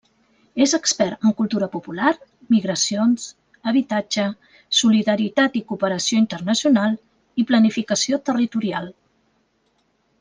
És expert en Cultura Popular, Migracions, Habitatge, Solidaritat i Cooperació Internacional i Planificació Territorial.